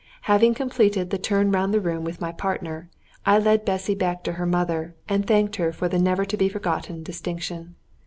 Having completed the turn round the room with my partner, I led Bessy back to her mother, and thanked her for the never to be forgotten distinction.